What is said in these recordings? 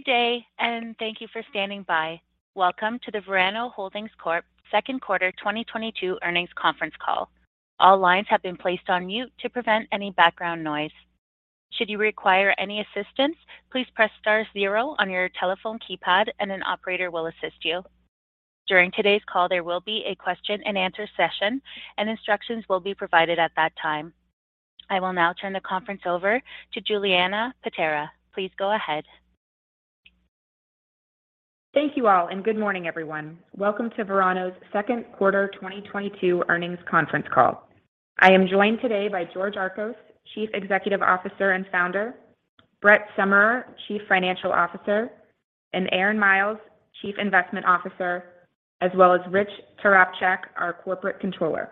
Good day, and thank you for standing by. Welcome to the Verano Holdings Corp. Second Quarter 2022 Earnings Conference Call. All lines have been placed on mute to prevent any background noise. Should you require any assistance, please press star zero on your telephone keypad and an operator will assist you. During today's call, there will be a Q&A session and instructions will be provided at that time. I will now turn the conference over to Julianna Paterra. Please go ahead. Thank you all and good morning, everyone. Welcome to Verano's Q2 2022 earnings conference call. I am joined today by George Archos, Chief Executive Officer and Founder, Brett Summerer, Chief Financial Officer, and Aaron Miles, Chief Investment Officer, as well as Rich Tarapchak, our Corporate Controller.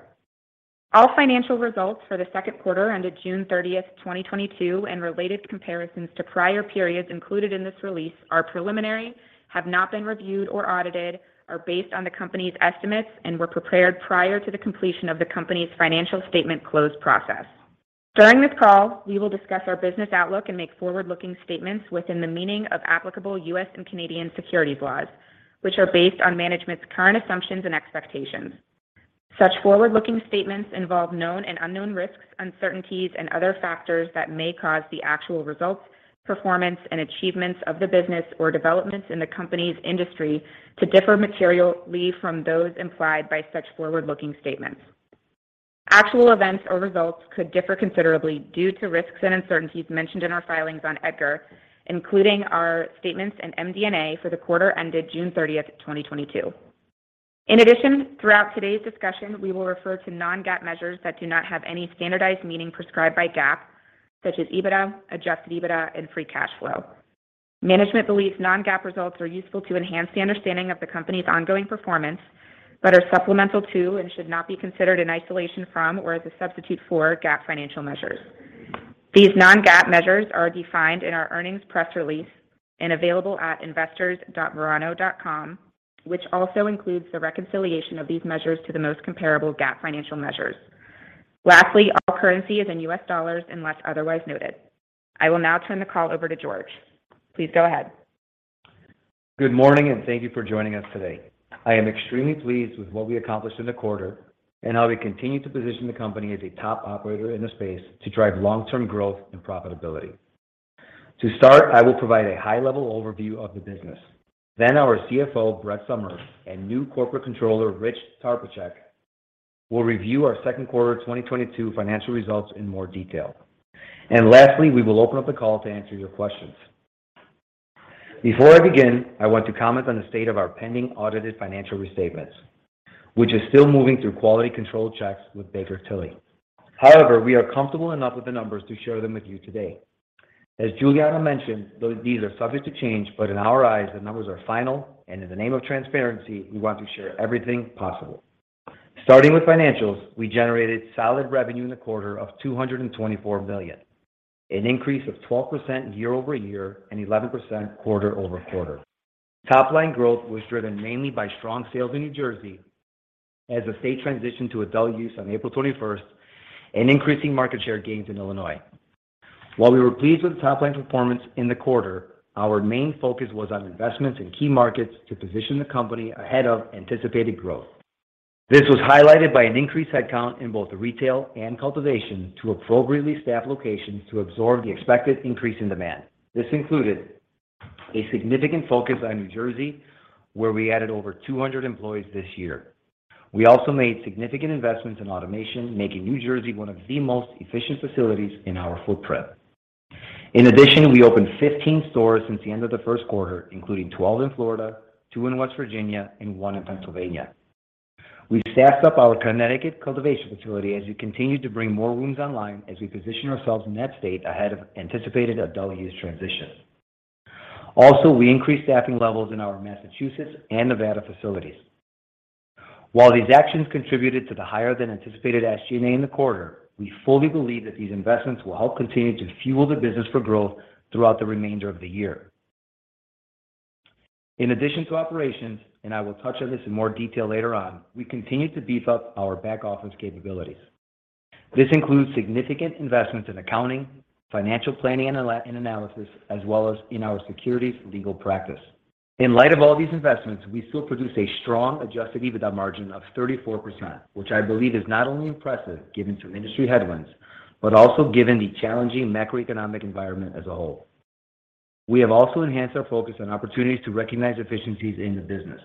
All financial results for the Q2 ended June 30, 2022, and related comparisons to prior periods included in this release are preliminary, have not been reviewed or audited, are based on the company's estimates and were prepared prior to the completion of the company's financial statement close process. During this call, we will discuss our business outlook and make forward-looking statements within the meaning of applicable U.S. and Canadian securities laws, which are based on management's current assumptions and expectations. Such forward-looking statements involve known and unknown risks, uncertainties and other factors that may cause the actual results, performance and achievements of the business or developments in the company's industry to differ materially from those implied by such forward-looking statements. Actual events or results could differ considerably due to risks and uncertainties mentioned in our filings on EDGAR, including our statements and MD&A for the quarter ended June 30, 2022. In addition, throughout today's discussion, we will refer to non-GAAP measures that do not have any standardized meaning prescribed by GAAP, such as EBITDA, adjusted EBITDA and free cash flow. Management believes non-GAAP results are useful to enhance the understanding of the company's ongoing performance, but are supplemental to and should not be considered in isolation from or as a substitute for GAAP financial measures. These non-GAAP measures are defined in our earnings press release and available at investors.verano.com, which also includes the reconciliation of these measures to the most comparable GAAP financial measures. Lastly, all currency is in U.S. dollars unless otherwise noted. I will now turn the call over to George. Please go ahead. Good morning, and thank you for joining us today. I am extremely pleased with what we accomplished in the quarter and how we continue to position the company as a top operator in the space to drive long-term growth and profitability. To start, I will provide a high-level overview of the business. Then our CFO, Brett Summerer, and new Corporate Controller, Rich Tarapchak, will review our Q2 2022 financial results in more detail. Lastly, we will open up the call to answer your questions. Before I begin, I want to comment on the state of our pending audited financial restatements, which is still moving through quality control checks with Baker Tilly. However, we are comfortable enough with the numbers to share them with you today. As Julianna mentioned, these are subject to change, but in our eyes, the numbers are final, and in the name of transparency, we want to share everything possible. Starting with financials, we generated solid revenue in the quarter of $224 million, an increase of 12% year-over-year and 11% quarter-over-quarter. Top line growth was driven mainly by strong sales in New Jersey as the state transitioned to adult use on April 21st and increasing market share gains in Illinois. While we were pleased with top line performance in the quarter, our main focus was on investments in key markets to position the company ahead of anticipated growth. This was highlighted by an increased headcount in both retail and cultivation to appropriately staff locations to absorb the expected increase in demand. This included a significant focus on New Jersey, where we added over 200 employees this year. We also made significant investments in automation, making New Jersey one of the most efficient facilities in our footprint. In addition, we opened 15 stores since the end of the Q1, including 12 in Florida, two in West Virginia, and one in Pennsylvania. We staffed up our Connecticut cultivation facility as we continue to bring more rooms online as we position ourselves in that state ahead of anticipated adult-use transition. Also, we increased staffing levels in our Massachusetts and Nevada facilities. While these actions contributed to the higher than anticipated SG&A in the quarter, we fully believe that these investments will help continue to fuel the business for growth throughout the remainder of the year. In addition to operations, and I will touch on this in more detail later on, we continue to beef up our back office capabilities. This includes significant investments in accounting, financial planning and analysis, as well as in our securities legal practice. In light of all these investments, we still produce a strong adjusted EBITDA margin of 34%, which I believe is not only impressive given some industry headwinds, but also given the challenging macroeconomic environment as a whole. We have also enhanced our focus on opportunities to recognize efficiencies in the business.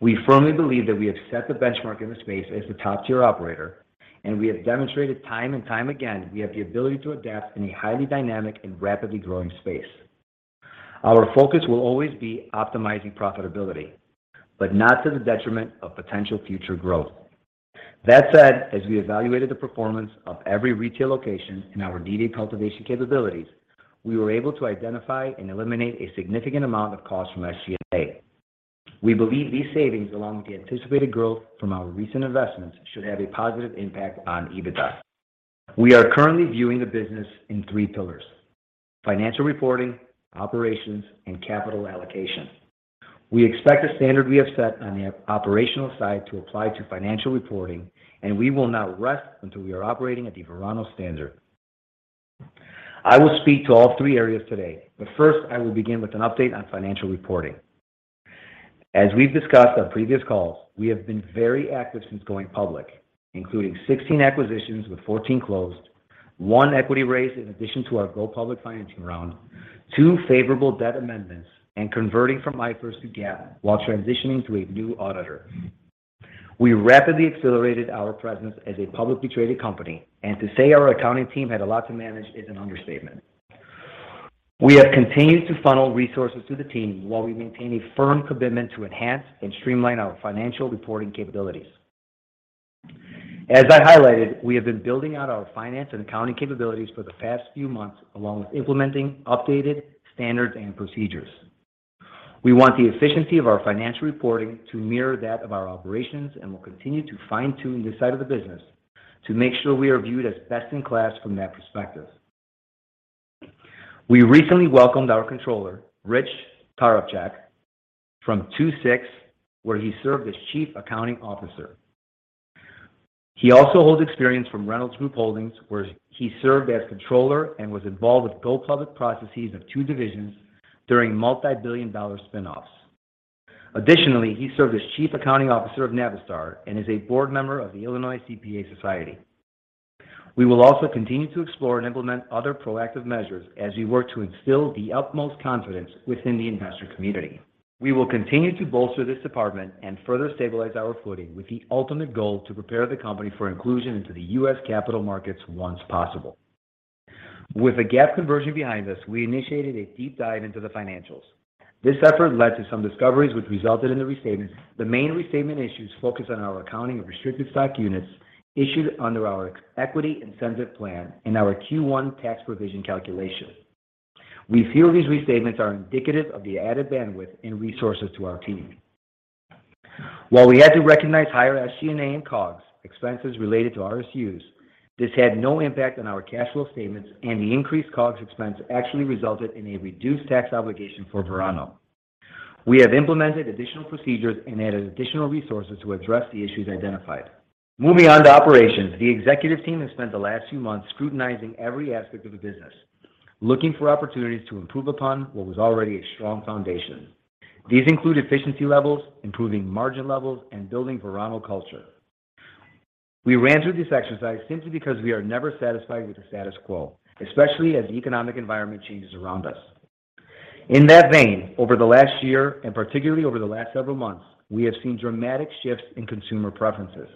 We firmly believe that we have set the benchmark in the space as the top tier operator, and we have demonstrated time and time again we have the ability to adapt in a highly dynamic and rapidly growing space. Our focus will always be optimizing profitability, but not to the detriment of potential future growth. That said, as we evaluated the performance of every retail location in our dedicated cultivation capabilities, we were able to identify and eliminate a significant amount of cost from SG&A. We believe these savings, along with the anticipated growth from our recent investments, should have a positive impact on EBITDA. We are currently viewing the business in three pillars: financial reporting, operations and capital allocation. We expect the standard we have set on the operational side to apply to financial reporting, and we will not rest until we are operating at the Verano standard. I will speak to all three areas today, but first I will begin with an update on financial reporting. As we've discussed on previous calls, we have been very active since going public, including 16 acquisitions with 14 closed, one equity raise in addition to our go public financing round, two favorable debt amendments, and converting from IFRS to GAAP while transitioning to a new auditor. We rapidly accelerated our presence as a publicly traded company, and to say our accounting team had a lot to manage is an understatement. We have continued to funnel resources to the team while we maintain a firm commitment to enhance and streamline our financial reporting capabilities. As I highlighted, we have been building out our finance and accounting capabilities for the past few months, along with implementing updated standards and procedures. We want the efficiency of our financial reporting to mirror that of our operations, and will continue to fine-tune this side of the business to make sure we are viewed as best in class from that perspective. We recently welcomed our controller, Rich Tarapchak, from II-VI, where he served as Chief Accounting Officer. He also holds experience from Reynolds Group Holdings, where he served as Controller and was involved with go public processes of two divisions during multibillion-dollar spinoffs. Additionally, he served as Chief Accounting Officer of Navistar and is a board member of the Illinois CPA Society. We will also continue to explore and implement other proactive measures as we work to instill the utmost confidence within the investor community. We will continue to bolster this department and further stabilize our footing with the ultimate goal to prepare the company for inclusion into the U.S. capital markets once possible. With the GAAP conversion behind us, we initiated a deep dive into the financials. This effort led to some discoveries which resulted in the restatement. The main restatement issues focus on our accounting of restricted stock units issued under our equity incentive plan and our Q1 tax provision calculation. We feel these restatements are indicative of the added bandwidth and resources to our team. While we had to recognize higher SG&A and COGS expenses related to RSUs, this had no impact on our cash flow statements, and the increased COGS expense actually resulted in a reduced tax obligation for Verano. We have implemented additional procedures and added additional resources to address the issues identified. Moving on to operations. The executive team has spent the last few months scrutinizing every aspect of the business, looking for opportunities to improve upon what was already a strong foundation. These include efficiency levels, improving margin levels, and building Verano culture. We ran through this exercise simply because we are never satisfied with the status quo, especially as the economic environment changes around us. In that vein, over the last year, and particularly over the last several months, we have seen dramatic shifts in consumer preferences.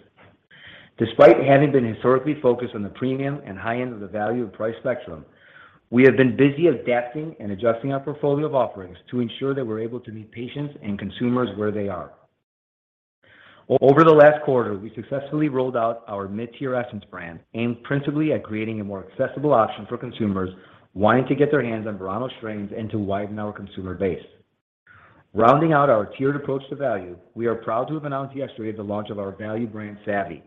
Despite having been historically focused on the premium and high-end of the value of price spectrum, we have been busy adapting and adjusting our portfolio of offerings to ensure that we're able to meet patients and consumers where they are. Over the last quarter, we successfully rolled out our mid-tier Essence brand, aimed principally at creating a more accessible option for consumers wanting to get their hands on Verano strains and to widen our consumer base. Rounding out our tiered approach to value, we are proud to have announced yesterday the launch of our value brand, Savvy,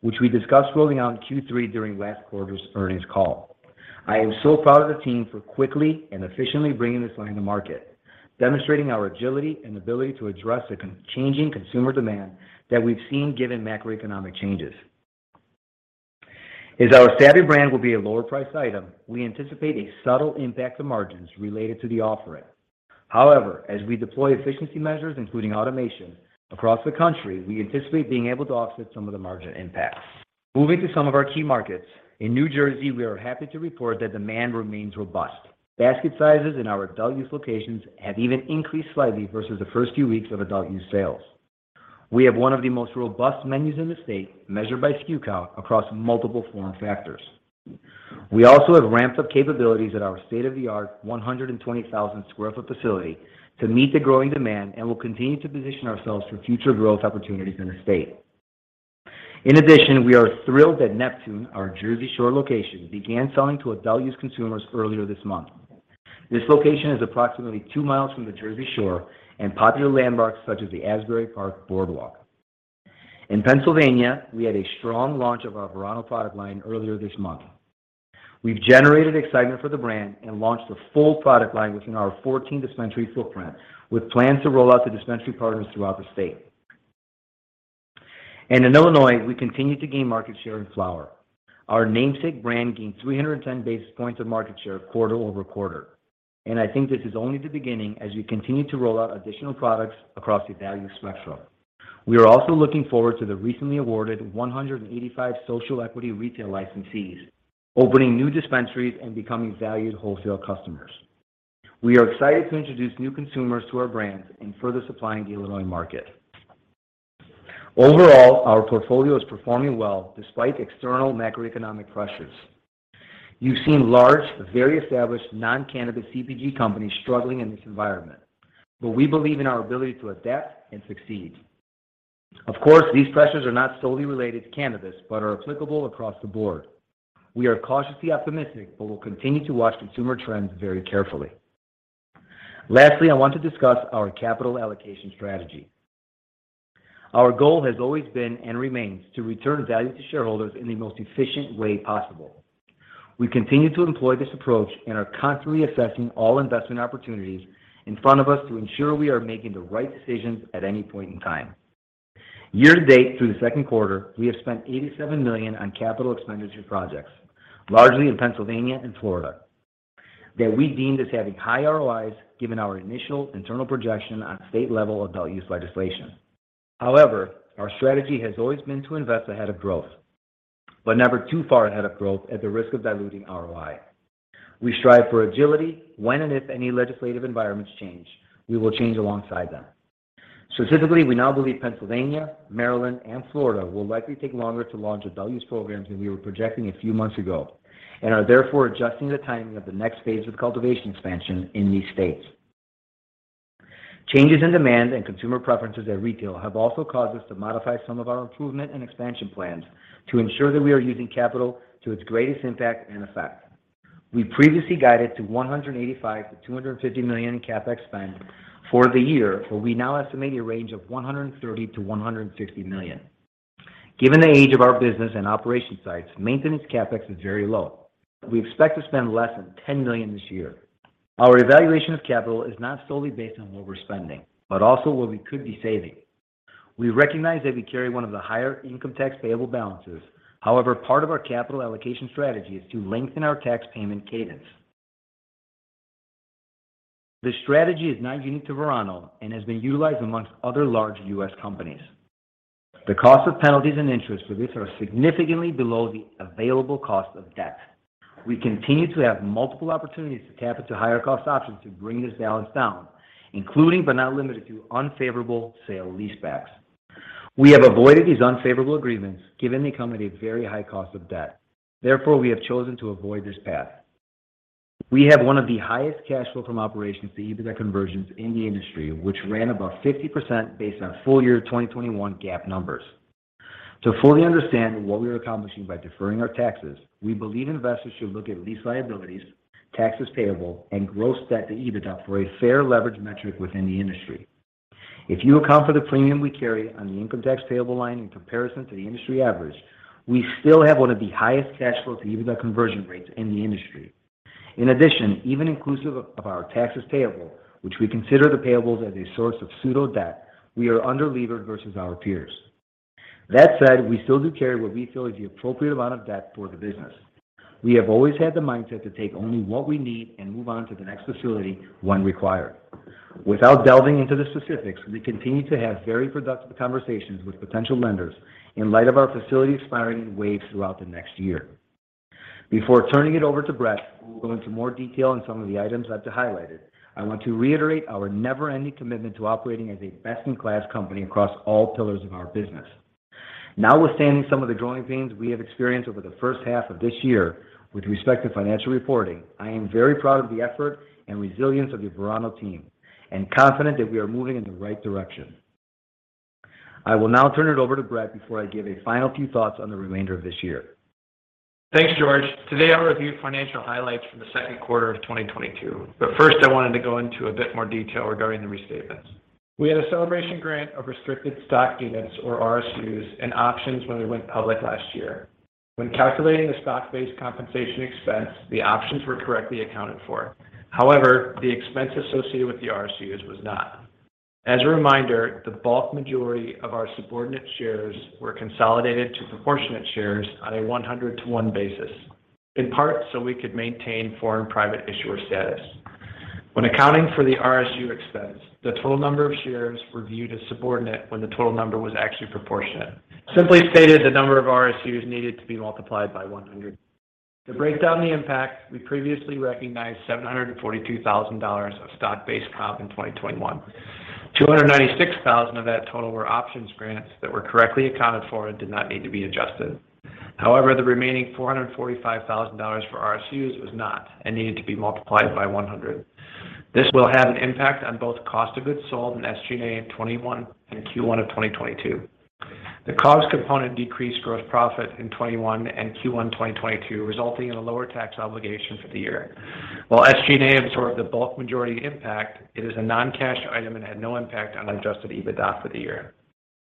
which we discussed rolling out in Q3 during last quarter's earnings call. I am so proud of the team for quickly and efficiently bringing this line to market, demonstrating our agility and ability to address the changing consumer demand that we've seen given macroeconomic changes. As our Savvy brand will be a lower priced item, we anticipate a subtle impact to margins related to the offering. However, as we deploy efficiency measures, including automation across the country, we anticipate being able to offset some of the margin impacts. Moving to some of our key markets. In New Jersey, we are happy to report that demand remains robust. Basket sizes in our adult use locations have even increased slightly versus the first few weeks of adult use sales. We have one of the most robust menus in the state measured by SKU count across multiple form factors. We also have ramped up capabilities at our state-of-the-art 120,000 sq ft facility to meet the growing demand and will continue to position ourselves for future growth opportunities in the state. In addition, we are thrilled that Neptune, our Jersey Shore location, began selling to adult use consumers earlier this month. This location is approximately two miles from the Jersey Shore and popular landmarks such as the Asbury Park Boardwalk. In Pennsylvania, we had a strong launch of our Verano product line earlier this month. We've generated excitement for the brand and launched the full product line within our 14 dispensary footprint with plans to roll out to dispensary partners throughout the state. In Illinois, we continue to gain market share in flower. Our namesake brand gained 310 basis points of market share quarter-over-quarter. I think this is only the beginning as we continue to roll out additional products across the value spectrum. We are also looking forward to the recently awarded 185 social equity retail licensees, opening new dispensaries and becoming valued wholesale customers. We are excited to introduce new consumers to our brands and further supplying the Illinois market. Overall, our portfolio is performing well despite external macroeconomic pressures. You've seen large, very established non-cannabis CPG companies struggling in this environment, but we believe in our ability to adapt and succeed. Of course, these pressures are not solely related to cannabis but are applicable across the board. We are cautiously optimistic but will continue to watch consumer trends very carefully. Lastly, I want to discuss our capital allocation strategy. Our goal has always been and remains to return value to shareholders in the most efficient way possible. We continue to employ this approach and are constantly assessing all investment opportunities in front of us to ensure we are making the right decisions at any point in time. Year-to-date through the Q2, we have spent $87 million on capital expenditure projects, largely in Pennsylvania and Florida, that we deemed as having high ROIs given our initial internal projection on state level adult use legislation. However, our strategy has always been to invest ahead of growth, but never too far ahead of growth at the risk of diluting ROI. We strive for agility. When and if any legislative environments change, we will change alongside them. Specifically, we now believe Pennsylvania, Maryland, and Florida will likely take longer to launch adult use programs than we were projecting a few months ago, and are therefore adjusting the timing of the next phase of cultivation expansion in these states. Changes in demand and consumer preferences at retail have also caused us to modify some of our improvement and expansion plans to ensure that we are using capital to its greatest impact and effect. We previously guided to $185 million-$250 million in CapEx spend for the year, but we now estimate a range of $130 million-$160 million. Given the age of our business and operation sites, maintenance CapEx is very low. We expect to spend less than $10 million this year. Our evaluation of capital is not solely based on what we're spending, but also what we could be saving. We recognize that we carry one of the higher income tax payable balances. However, part of our capital allocation strategy is to lengthen our tax payment cadence. This strategy is not unique to Verano and has been utilized among other large U.S. companies. The cost of penalties and interest for this are significantly below the available cost of debt. We continue to have multiple opportunities to tap into higher cost options to bring this balance down, including but not limited to unfavorable sale leasebacks. We have avoided these unfavorable agreements given they come at a very high cost of debt. Therefore, we have chosen to avoid this path. We have one of the highest cash flow from operations to EBITDA conversions in the industry, which ran above 50% based on full year 2021 GAAP numbers. To fully understand what we are accomplishing by deferring our taxes, we believe investors should look at lease liabilities, taxes payable, and gross debt to EBITDA for a fair leverage metric within the industry. If you account for the premium we carry on the income tax payable line in comparison to the industry average, we still have one of the highest cash flow to EBITDA conversion rates in the industry. In addition, even inclusive of our taxes payable, which we consider the payables as a source of pseudo-debt, we are under-levered versus our peers. That said, we still do carry what we feel is the appropriate amount of debt for the business. We have always had the mindset to take only what we need and move on to the next facility when required. Without delving into the specifics, we continue to have very productive conversations with potential lenders in light of our facilities expiring in waves throughout the next year. Before turning it over to Brett, who will go into more detail on some of the items I've highlighted, I want to reiterate our never-ending commitment to operating as a best-in-class company across all pillars of our business. Notwithstanding some of the growing pains we have experienced over the H1 of this year with respect to financial reporting, I am very proud of the effort and resilience of the Verano team and confident that we are moving in the right direction. I will now turn it over to Brett before I give a final few thoughts on the remainder of this year. Thanks, George. Today, I'll review financial highlights for the Q2 of 2022. First, I wanted to go into a bit more detail regarding the restatements. We had a celebration grant of restricted stock units or RSUs and options when we went public last year. When calculating the stock-based compensation expense, the options were correctly accounted for. However, the expense associated with the RSUs was not. As a reminder, the bulk majority of our subordinate shares were consolidated to proportionate shares on a 100 basis-to-1 basis, in part, so we could maintain foreign private issuer status. When accounting for the RSU expense, the total number of shares were viewed as subordinate when the total number was actually proportionate. Simply stated, the number of RSUs needed to be multiplied by 100. To break down the impact, we previously recognized $742,000 of stock-based comp in 2021. 296,000 of that total were options grants that were correctly accounted for and did not need to be adjusted. However, the remaining $445,000 for RSUs was not and needed to be multiplied by 100. This will have an impact on both cost of goods sold and SG&A in 2021 and Q1 of 2022. The cost component decreased gross profit in 2021 and Q1 2022, resulting in a lower tax obligation for the year. While SG&A absorbed the bulk majority impact, it is a non-cash item and had no impact on adjusted EBITDA for the year.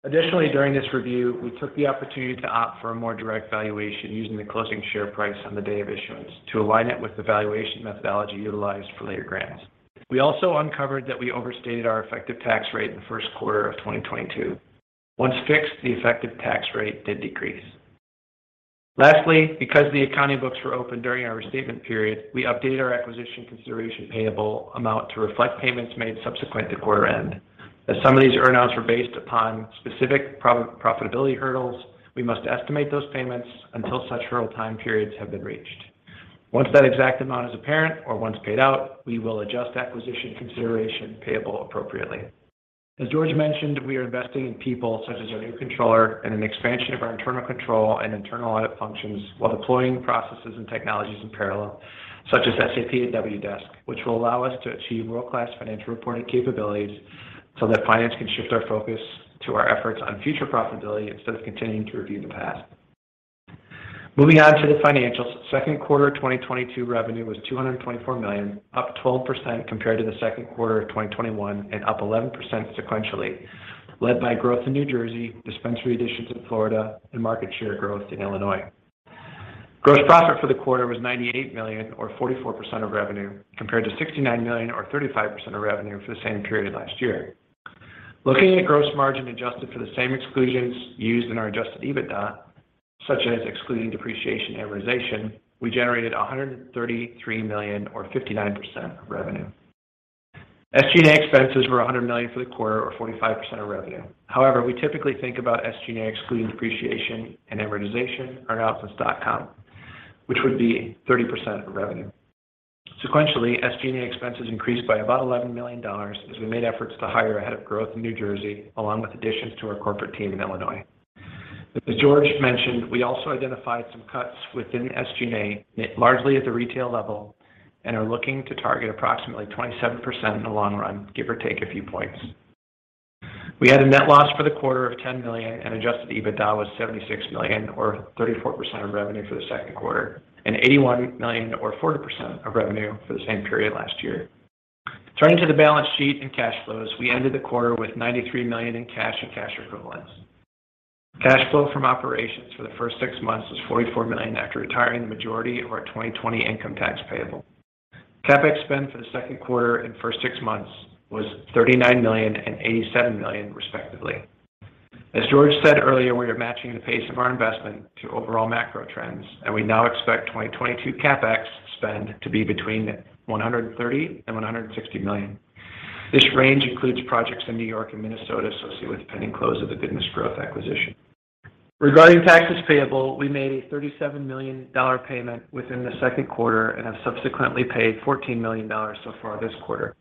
Additionally, during this review, we took the opportunity to opt for a more direct valuation using the closing share price on the day of issuance to align it with the valuation methodology utilized for later grants. We also uncovered that we overstated our effective tax rate in the Q1 of 2022. Once fixed, the effective tax rate did decrease. Lastly, because the accounting books were open during our restatement period, we updated our acquisition consideration payable amount to reflect payments made subsequent to quarter end. As some of these earn-outs were based upon specific profitability hurdles, we must estimate those payments until such hurdle time periods have been reached. Once that exact amount is apparent or once paid out, we will adjust acquisition consideration payable appropriately. As George mentioned, we are investing in people such as our new controller and an expansion of our internal control and internal audit functions while deploying processes and technologies in parallel, such as SAP and Wdesk, which will allow us to achieve world-class financial reporting capabilities so that finance can shift our focus to our efforts on future profitability instead of continuing to review the past. Moving on to the financials. Q2 2022 revenue was $224 million, up 12% compared to the Q2 of 2021, and up 11% sequentially, led by growth in New Jersey, dispensary additions in Florida, and market share growth in Illinois. Gross profit for the quarter was $98 million or 44% of revenue, compared to $69 million or 35% of revenue for the same period last year. Looking at gross margin adjusted for the same exclusions used in our adjusted EBITDA, such as excluding depreciation and amortization, we generated $133 million or 59% of revenue. SG&A expenses were $100 million for the quarter or 45% of revenue. However, we typically think about SG&A excluding depreciation and amortization, which would be 30% of revenue. Sequentially, SG&A expenses increased by about $11 million as we made efforts to hire ahead of growth in New Jersey, along with additions to our corporate team in Illinois. As George mentioned, we also identified some cuts within SG&A, largely at the retail level, and are looking to target approximately 27% in the long run, give or take a few points. We had a net loss for the quarter of $10 million and adjusted EBITDA was $76 million or 34% of revenue for the Q2, and $81 million or 40% of revenue for the same period last year. Turning to the balance sheet and cash flows, we ended the quarter with $93 million in cash and cash equivalents. Cash flow from operations for the first six months was $44 million after retiring the majority of our 2020 income tax payable. CapEx spend for the Q2 and first six months was $39 million and $87 million, respectively. As George said earlier, we are matching the pace of our investment to overall macro trends, and we now expect 2022 CapEx spend to be between $130 million and $160 million. This range includes projects in New York and Minnesota associated with the pending close of the Goodness Growth Holdings acquisition. Regarding taxes payable, we made a $37 million payment within the Q2 and have subsequently paid $14 million so far this quarter.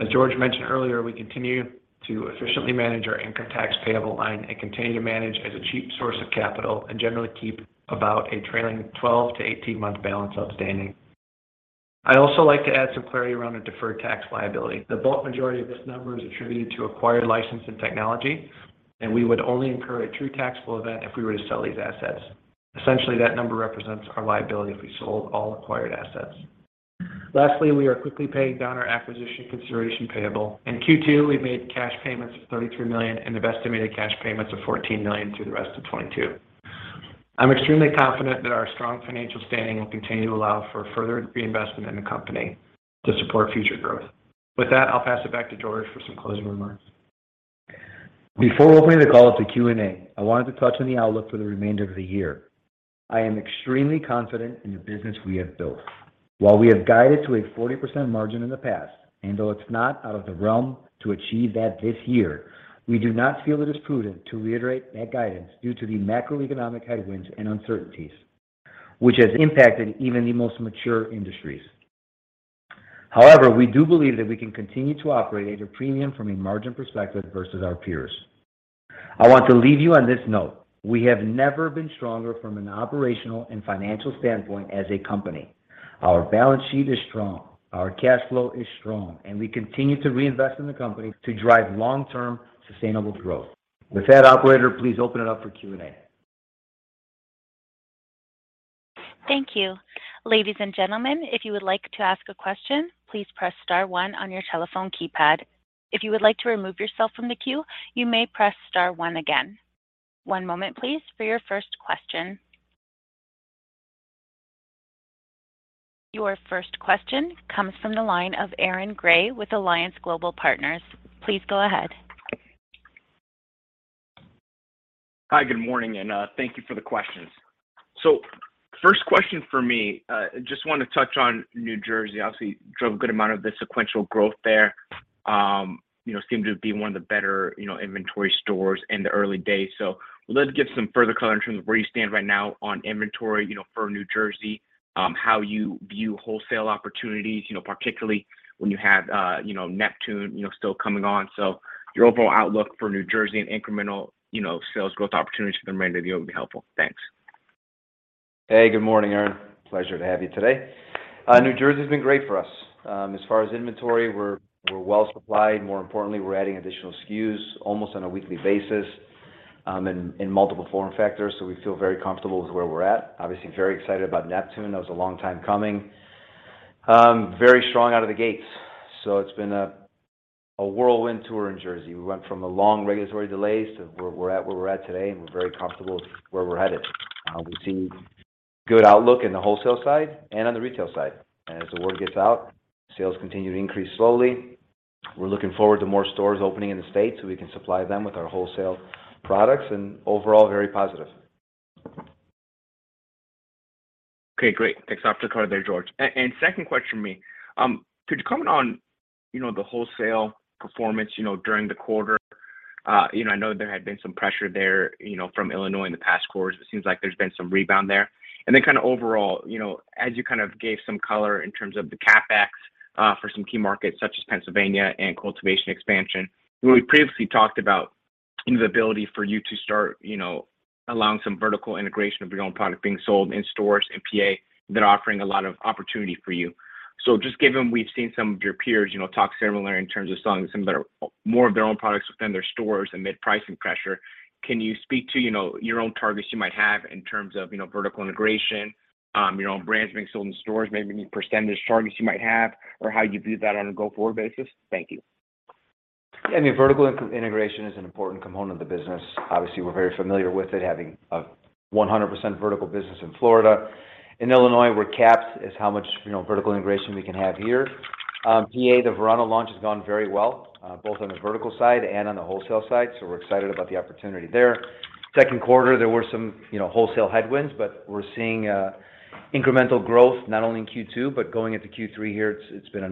As George mentioned earlier, we continue to efficiently manage our income tax payable line and continue to manage as a cheap source of capital and generally keep about a trailing 12-month to 18-month balance outstanding. I'd also like to add some clarity around a deferred tax liability. The bulk majority of this number is attributed to acquired license and technology, and we would only incur a true taxable event if we were to sell these assets. Essentially, that number represents our liability if we sold all acquired assets. Lastly, we are quickly paying down our acquisition consideration payable. In Q2, we made cash payments of $33 million and have estimated cash payments of $14 million through the rest of 2022. I'm extremely confident that our strong financial standing will continue to allow for further reinvestment in the company to support future growth. With that, I'll pass it back to George for some closing remarks. Before opening the call up to Q&A, I wanted to touch on the outlook for the remainder of the year. I am extremely confident in the business we have built. While we have guided to a 40% margin in the past, and though it's not out of the realm to achieve that this year, we do not feel it is prudent to reiterate that guidance due to the macroeconomic headwinds and uncertainties, which has impacted even the most mature industries. However, we do believe that we can continue to operate at a premium from a margin perspective versus our peers. I want to leave you on this note. We have never been stronger from an operational and financial standpoint as a company. Our balance sheet is strong, our cash flow is strong, and we continue to reinvest in the company to drive long-term sustainable growth. With that, operator, please open it up for Q&A. Thank you. Ladies and gentlemen, if you would like to ask a question, please press star one on your telephone keypad. If you would like to remove yourself from the queue, you may press star one again. One moment, please, for your first question. Your first question comes from the line of Aaron Grey with Alliance Global Partners. Please go ahead. Hi, good morning, and thank you for the questions. First question for me, just want to touch on New Jersey. Obviously, drove a good amount of the sequential growth there. You know, seemed to be one of the better, you know, inventory stores in the early days. Would love to get some further color in terms of where you stand right now on inventory, you know, for New Jersey, how you view wholesale opportunities, you know, particularly when you have, you know, Neptune, you know, still coming on? Your overall outlook for New Jersey and incremental, you know, sales growth opportunities for the remainder of the year would be helpful. Thanks. Hey, good morning, Aaron. Pleasure to have you today. New Jersey has been great for us. As far as inventory, we're well supplied. More importantly, we're adding additional SKUs almost on a weekly basis in multiple form factors, so we feel very comfortable with where we're at. Obviously, very excited about Neptune. That was a long time coming. Very strong out of the gates. It's been a whirlwind tour in Jersey. We went from long regulatory delays to where we're at today, and we're very comfortable with where we're headed. We see good outlook in the wholesale side and on the retail side. As the word gets out, sales continue to increase slowly. We're looking forward to more stores opening in the state, so we can supply them with our wholesale products and overall very positive. Okay, great. Thanks for the color there, George. Second question for me, could you comment on, you know, the wholesale performance, you know, during the quarter? You know, I know there had been some pressure there, you know, from Illinois in the past quarters. It seems like there's been some rebound there. Then kind of overall, you know, as you kind of gave some color in terms of the CapEx for some key markets such as Pennsylvania and cultivation expansion, we previously talked about the ability for you to start, you know, allowing some vertical integration of your own product being sold in stores in PA that are offering a lot of opportunity for you. Just given we've seen some of your peers, you know, talk similar in terms of selling more of their own products within their stores amid pricing pressure, can you speak to, you know, your own targets you might have in terms of, you know, vertical integration, your own brands being sold in stores, maybe any percentage targets you might have or how you view that on a go-forward basis? Thank you. I mean, vertical integration is an important component of the business. Obviously, we're very familiar with it, having a 100% vertical business in Florida. In Illinois, we're capped as how much, you know, vertical integration we can have here. PA, the Verano launch has gone very well, both on the vertical side and on the wholesale side, so we're excited about the opportunity there. Q2, there were some, you know, wholesale headwinds, but we're seeing incremental growth not only in Q2, but going into Q3 here, it's been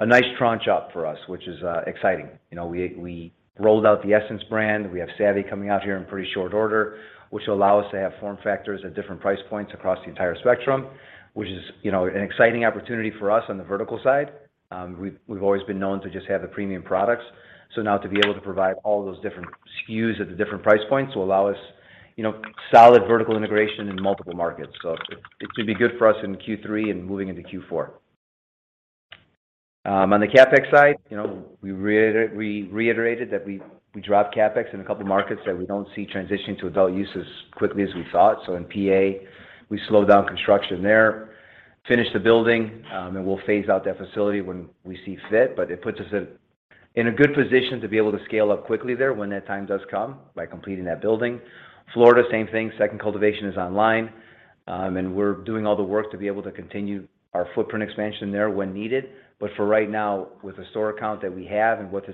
a nice tranche up for us, which is exciting. You know, we rolled out the Essence brand. We have Savvy coming out here in pretty short order, which will allow us to have form factors at different price points across the entire spectrum, which is, you know, an exciting opportunity for us on the vertical side. We've always been known to just have the premium products. Now to be able to provide all those different SKUs at the different price points will allow us, you know, solid vertical integration in multiple markets. It could be good for us in Q3 and moving into Q4. On the CapEx side, you know, we reiterated that we dropped CapEx in a couple of markets that we don't see transitioning to adult use as quickly as we thought. In PA, we slowed down construction there, finished the building, and we'll phase out that facility when we see fit. It puts us in a good position to be able to scale up quickly there when that time does come by completing that building. Florida, same thing. Second cultivation is online, and we're doing all the work to be able to continue our footprint expansion there when needed. For right now, with the store account that we have and what's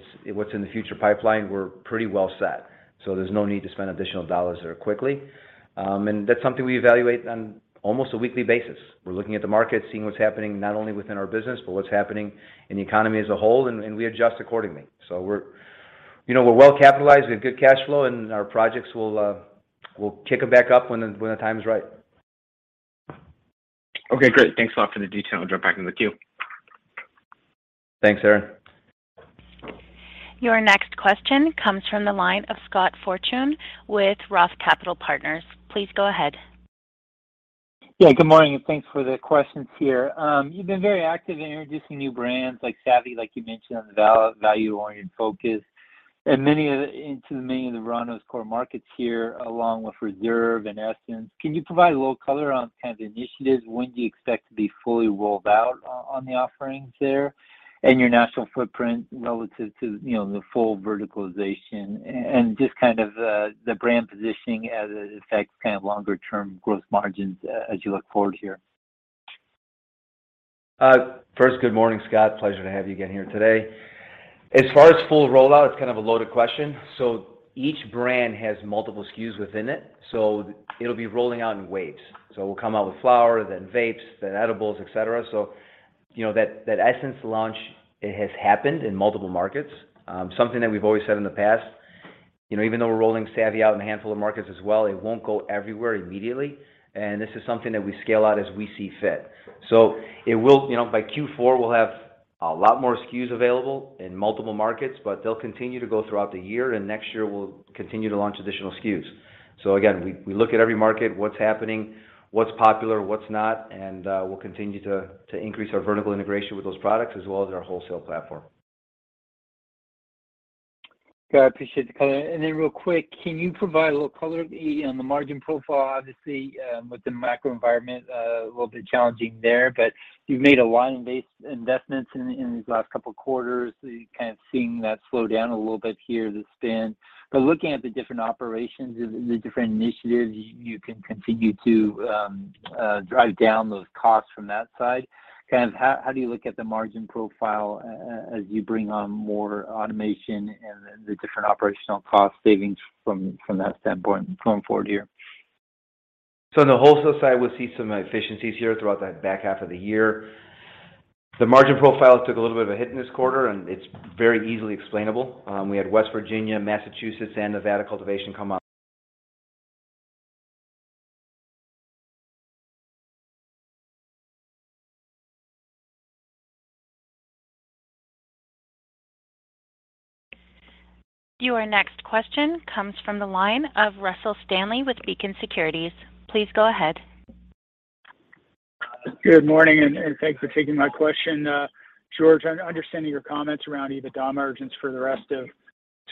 in the future pipeline, we're pretty well set. There's no need to spend additional dollars there quickly. That's something we evaluate on almost a weekly basis. We're looking at the market, seeing what's happening not only within our business, but what's happening in the economy as a whole, and we adjust accordingly. You know, we're well-capitalized. We have good cash flow, and our projects will, we'll kick them back up when the time is right. Okay, great. Thanks a lot for the detail. I'll jump back in the queue. Thanks, Aaron. Your next question comes from the line of Scott Fortune with ROTH Capital Partners. Please go ahead. Yeah, good morning, and thanks for the questions here. You've been very active in introducing new brands like Savvy, like you mentioned, on the value-oriented focus, and many of the Verano's core markets here, along with Reserve and Essence. Can you provide a little color on kind of the initiatives? When do you expect to be fully rolled out on the offerings there and your national footprint relative to, you know, the full verticalization and just kind of, the brand positioning as it affects kind of longer-term growth margins as you look forward here? First, good morning, Scott. Pleasure to have you again here today. As far as full rollout, it's kind of a loaded question. Each brand has multiple SKUs within it, so it'll be rolling out in waves. We'll come out with flower, then vapes, then edibles, et cetera. You know, that Essence launch, it has happened in multiple markets. Something that we've always said in the past, you know, even though we're rolling Savvy out in a handful of markets as well, it won't go everywhere immediately. This is something that we scale out as we see fit. It will, you know, by Q4, we'll have a lot more SKUs available in multiple markets, but they'll continue to go throughout the year, and next year we'll continue to launch additional SKUs. Again, we look at every market, what's happening, what's popular, what's not, and we'll continue to increase our vertical integration with those products as well as our wholesale platform. Yeah, I appreciate the color. Then real quick, can you provide a little color on the margin profile, obviously, with the macro environment a little bit challenging there, but you've made a lot in base investments in these last couple of quarters. Are you kind of seeing that slow down a little bit here, the spend? Looking at the different operations and the different initiatives, you can continue to drive down those costs from that side. Kind of how do you look at the margin profile as you bring on more automation and the different operational cost savings from that standpoint going forward here? On the wholesale side, we'll see some efficiencies here throughout the back half of the year. The margin profile took a little bit of a hit in this quarter, and it's very easily explainable. We had West Virginia, Massachusetts, and Nevada cultivation come up. Your next question comes from the line of Russell Stanley with Beacon Securities. Please go ahead. Good morning, thanks for taking my question. George, I'm understanding your comments around EBITDA margins for the rest of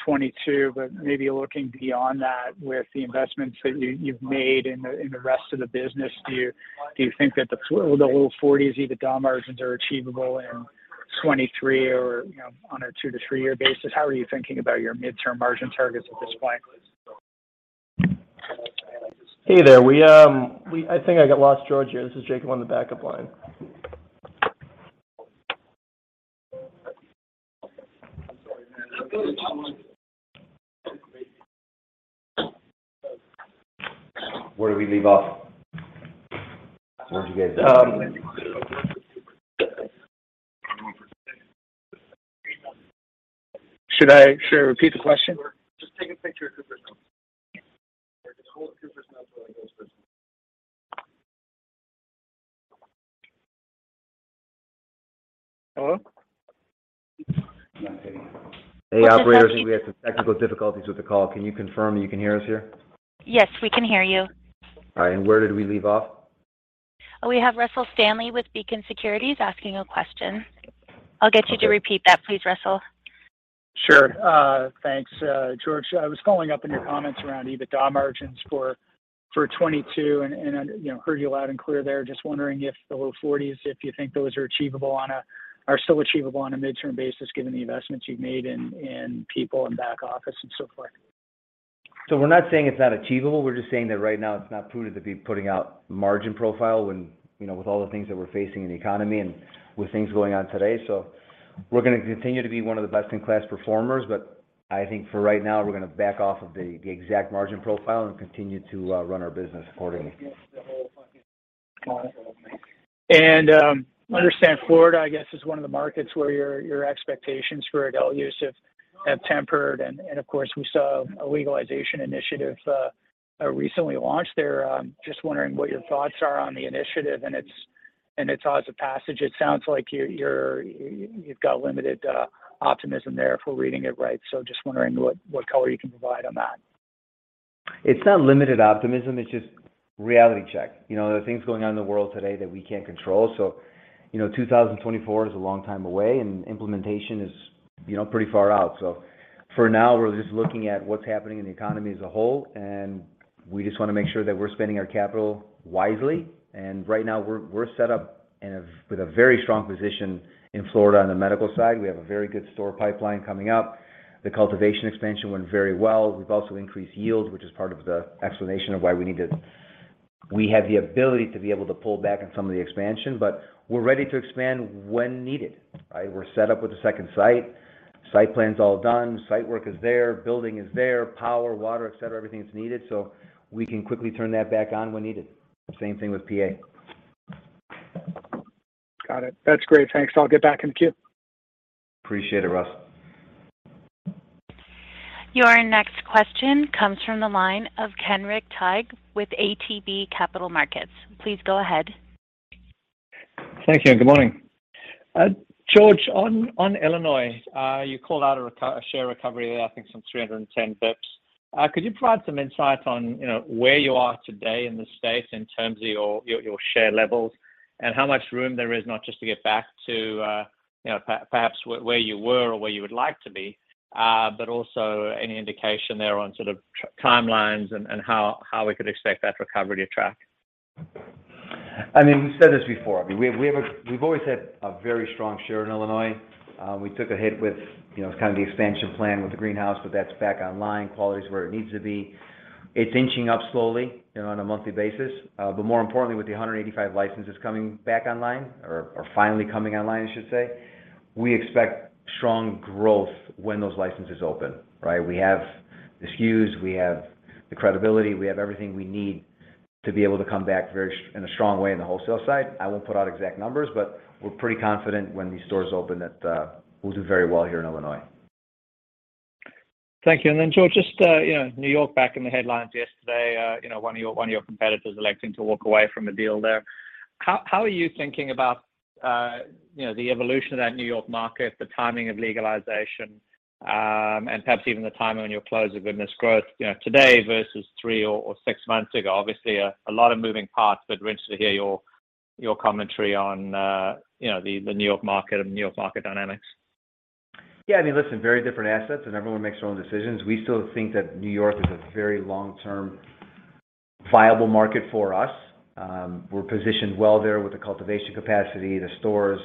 2022, but maybe looking beyond that with the investments that you've made in the rest of the business, do you think that the low 40s EBITDA margins are achievable in 2023 or, you know, on a two year-three year basis? How are you thinking about your midterm margin targets at this point? Hey there. I think I got lost, George, here. This is Jacob on the backup line. Where did we leave off? Where'd you guys leave off? Should I repeat the question? Hello? Hey, operators. We had some technical difficulties with the call. Can you confirm that you can hear us here? Yes, we can hear you. All right. Where did we leave off? We have Russell Stanley with Beacon Securities asking a question. Okay. I'll get you to repeat that please, Russell. Sure. Thanks, George. I was following up on your comments around EBITDA margins for 2022, and I, you know, heard you loud and clear there. Just wondering if the low 40s you think those are achievable on a midterm basis given the investments you've made in people and back office and so forth? We're not saying it's not achievable. We're just saying that right now it's not prudent to be putting out margin profile when, you know, with all the things that we're facing in the economy and with things going on today. We're gonna continue to be one of the best in class performers, but I think for right now, we're gonna back off of the exact margin profile and continue to run our business accordingly. Understand Florida, I guess, is one of the markets where your expectations for adult use have tempered and, of course, we saw a legalization initiative recently launched there. Just wondering what your thoughts are on the initiative and its odds of passage. It sounds like you've got limited optimism there if we're reading it right. Just wondering what color you can provide on that? It's not limited optimism, it's just reality check. You know, there are things going on in the world today that we can't control. You know, 2024 is a long time away, and implementation is, you know, pretty far out. For now, we're just looking at what's happening in the economy as a whole, and we just wanna make sure that we're spending our capital wisely. Right now we're set up in a with a very strong position in Florida on the medical side. We have a very good store pipeline coming up. The cultivation expansion went very well. We've also increased yield, which is part of the explanation of why we need to. We have the ability to be able to pull back on some of the expansion, but we're ready to expand when needed, right? We're set up with a second site plan's all done, site work is there, building is there, power, water, et cetera, everything that's needed. We can quickly turn that back on when needed. Same thing with PA. Got it. That's great. Thanks. I'll get back in queue. Appreciate it, Russell. Your next question comes from the line of Kenric Tyghe with ATB Capital Markets. Please go ahead. Thank you and good morning. George, on Illinois, you called out a share recovery, I think some 310 bps. Could you provide some insight on, you know, where you are today in the state in terms of your share levels and how much room there is not just to get back to, you know, perhaps where you were or where you would like to be, but also any indication there on sort of timelines and how we could expect that recovery to track? I mean, we've said this before. I mean, we've always had a very strong share in Illinois. We took a hit with, you know, kind of the expansion plan with the greenhouse, but that's back online. Quality is where it needs to be. It's inching up slowly, you know, on a monthly basis. But more importantly, with the 185 licenses coming back online or finally coming online, I should say, we expect strong growth when those licenses open, right? We have the SKUs, we have the credibility, we have everything we need to be able to come back in a strong way in the wholesale side. I won't put out exact numbers, but we're pretty confident when these stores open that we'll do very well here in Illinois. Thank you. Then George, just you know, New York back in the headlines yesterday, you know, one of your competitors electing to walk away from a deal there. How are you thinking about you know, the evolution of that New York market, the timing of legalization, and perhaps even the timing on your close of Goodness Growth, you know, today versus three months or six months ago? Obviously a lot of moving parts, but we're interested to hear your commentary on you know, the New York market and New York market dynamics. Yeah, I mean, listen, very different assets, and everyone makes their own decisions. We still think that New York is a very long-term viable market for us. We're positioned well there with the cultivation capacity, the stores,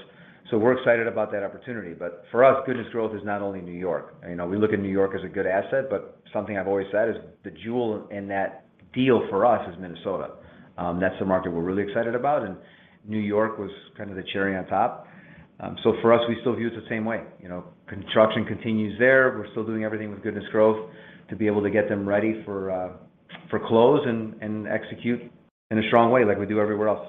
so we're excited about that opportunity. But for us, Goodness Growth is not only New York. You know, we look at New York as a good asset, but something I've always said is the jewel in that deal for us is Minnesota. That's the market we're really excited about, and New York was kind of the cherry on top. So for us, we still view it the same way. You know, construction continues there. We're still doing everything with Goodness Growth to be able to get them ready for close and execute in a strong way like we do everywhere else.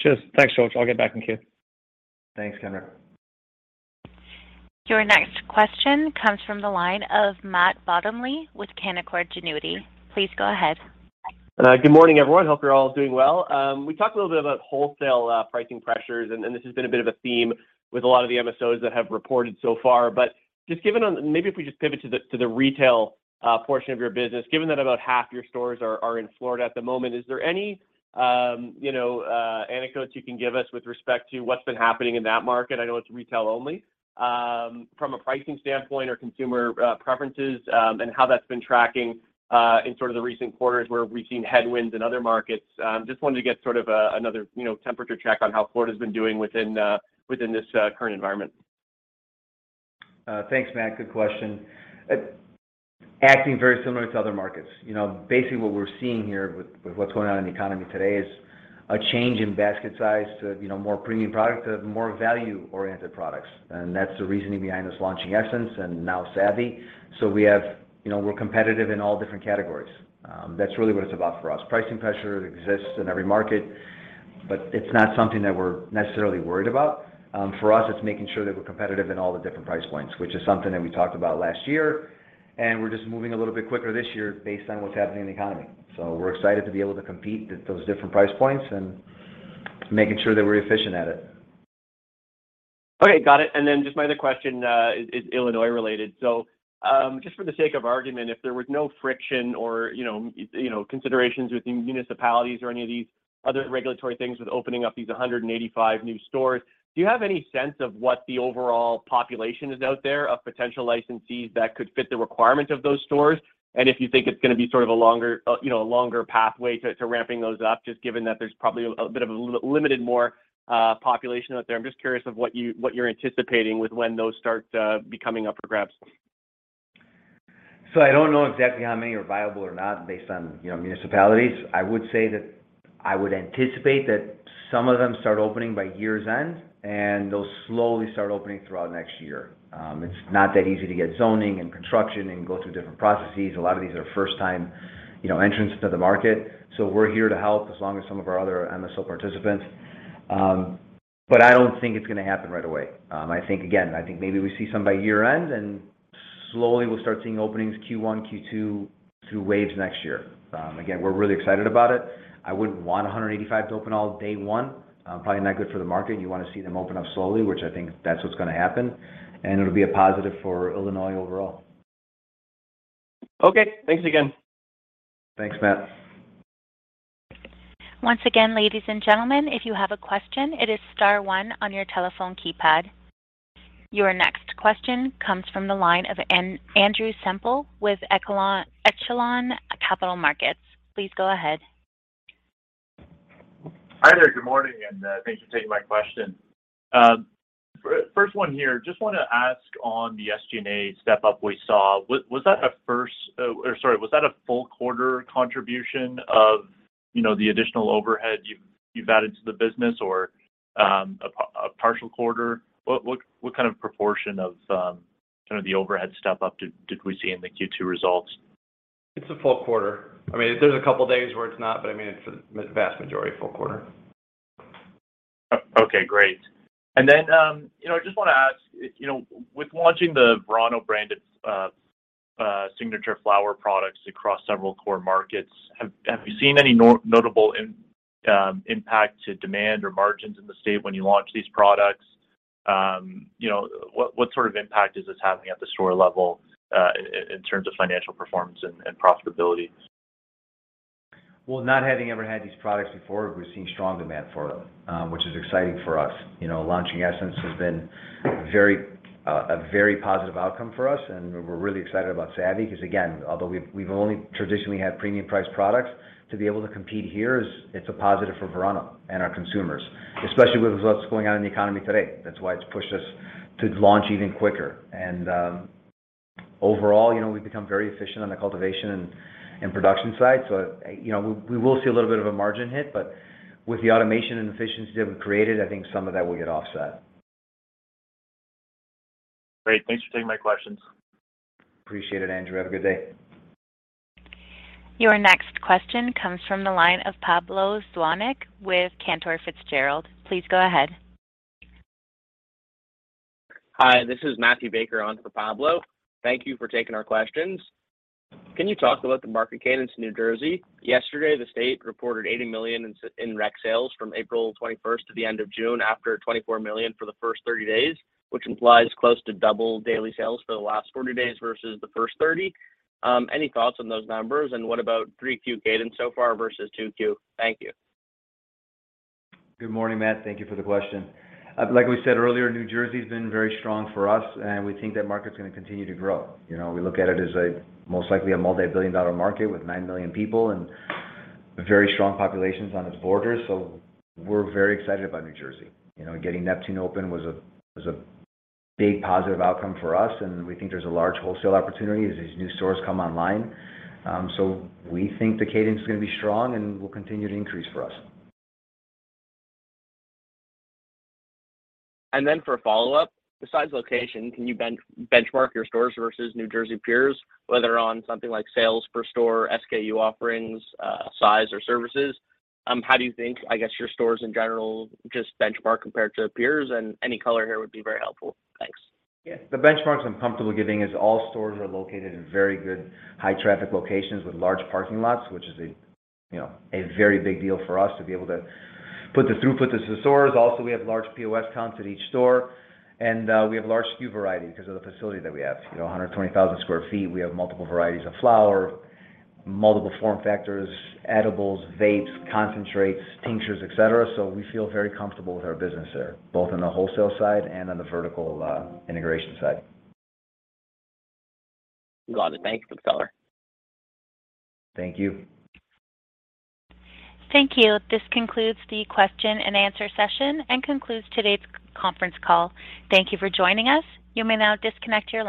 Cheers. Thanks, George. I'll get back in queue. Thanks, Kenric. Your next question comes from the line of Matt Bottomley with Canaccord Genuity. Please go ahead. Good morning, everyone. Hope you're all doing well. We talked a little bit about wholesale pricing pressures, and this has been a bit of a theme with a lot of the MSOs that have reported so far. Maybe if we just pivot to the retail portion of your business, given that about half your stores are in Florida at the moment, is there any, you know, anecdotes you can give us with respect to what's been happening in that market? I know it's retail only. From a pricing standpoint or consumer preferences, and how that's been tracking in sort of the recent quarters where we've seen headwinds in other markets. Just wanted to get another, you know, temperature check on how Florida's been doing within this current environment? Thanks, Matt. Good question. Acting very similar to other markets. You know, basically what we're seeing here with what's going on in the economy today is a change in basket size to, you know, more premium product to more value-oriented products. That's the reasoning behind us launching Essence and now Savvy. We have. You know, we're competitive in all different categories. That's really what it's about for us. Pricing pressure exists in every market, but it's not something that we're necessarily worried about. For us, it's making sure that we're competitive in all the different price points, which is something that we talked about last year. We're just moving a little bit quicker this year based on what's happening in the economy. We're excited to be able to compete at those different price points and making sure that we're efficient at it. Okay. Got it. Just my other question is Illinois-related. Just for the sake of argument, if there was no friction or, you know, considerations within municipalities or any of these other regulatory things with opening up these 185 new stores, do you have any sense of what the overall population is out there of potential licensees that could fit the requirement of those stores? If you think it's gonna be sort of a longer, you know, pathway to ramping those up, just given that there's probably a bit of a limited more population out there. I'm just curious of what you're anticipating with when those start becoming up for grabs. I don't know exactly how many are viable or not based on, you know, municipalities. I would say that I would anticipate that some of them start opening by year's end, and they'll slowly start opening throughout next year. It's not that easy to get zoning and construction and go through different processes. A lot of these are first-time, you know, entrants to the market. We're here to help as long as some of our other MSO participants. I don't think it's gonna happen right away. I think again maybe we see some by year-end, and slowly we'll start seeing openings Q1, Q2 through waves next year. Again, we're really excited about it. I wouldn't want 185 to open all day one. Probably not good for the market. You wanna see them open up slowly, which I think that's what's gonna happen, and it'll be a positive for Illinois overall. Okay, thanks again. Thanks, Matt. Once again, ladies and gentlemen, if you have a question, it is star one on your telephone keypad. Your next question comes from the line of Andrew Semple with Echelon Capital Markets. Please go ahead. Hi there. Good morning, and, thanks for taking my question. First one here. Just wanna ask on the SG&A step-up we saw, was that a full quarter contribution of, you know, the additional overhead you've added to the business or a partial quarter? What kind of proportion of kind of the overhead step-up did we see in the Q2 results? It's a full quarter. I mean, there's a couple of days where it's not, but I mean, it's a vast majority full quarter. Okay, great. You know, I just wanna ask, you know, with launching the Verano-branded signature flower products across several core markets, have you seen any notable impact to demand or margins in the state when you launch these products? You know, what sort of impact is this having at the store level, in terms of financial performance and profitability? Well, not having ever had these products before, we're seeing strong demand for them, which is exciting for us. You know, launching Essence has been very, a very positive outcome for us, and we're really excited about Savvy because, again, although we've only traditionally had premium price products, to be able to compete here is it's a positive for Verano and our consumers, especially with what's going on in the economy today. That's why it's pushed us to launch even quicker. Overall, you know, we've become very efficient on the cultivation and production side. You know, we will see a little bit of a margin hit, but with the automation and efficiency that we've created, I think some of that will get offset. Great. Thanks for taking my questions. Appreciate it, Andrew. Have a good day. Your next question comes from the line of Pablo Zuanic with Cantor Fitzgerald. Please go ahead. Hi, this is Matthew Baker on for Pablo. Thank you for taking our questions. Can you talk about the market cadence in New Jersey? Yesterday, the state reported $80 million in rec sales from April 21st to the end of June after $24 million for the first 30 days, which implies close to double daily sales for the last 40 days versus the first 30 days. Any thoughts on those numbers, and what about Q3 cadence so far versus Q2? Thank you. Good morning, Matt. Thank you for the question. Like we said earlier, New Jersey has been very strong for us, and we think that market is gonna continue to grow. You know, we look at it as most likely a multibillion-dollar market with nine million people and very strong populations on its borders. We're very excited about New Jersey. You know, getting Neptune open was a big positive outcome for us, and we think there's a large wholesale opportunity as these new stores come online. We think the cadence is gonna be strong and will continue to increase for us. For a follow-up, besides location, can you benchmark your stores versus New Jersey peers, whether on something like sales per store, SKU offerings, size or services? How do you think, I guess, your stores in general just benchmark compared to peers? Any color here would be very helpful. Thanks. Yeah. The benchmarks I'm comfortable giving is all stores are located in very good high traffic locations with large parking lots, which is a, you know, a very big deal for us to be able to put the throughput to the stores. Also, we have large POS counts at each store, and we have large SKU variety because of the facility that we have. You know, 120,000 sq ft, we have multiple varieties of flower, multiple form factors, edibles, vapes, concentrates, tinctures, et cetera. We feel very comfortable with our business there, both on the wholesale side and on the vertical integration side. Got it. Thanks for the color. Thank you. Thank you. This concludes the Q&A session and concludes today's conference call. Thank you for joining us. You may now disconnect your line.